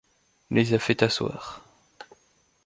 Les a fait asseoir.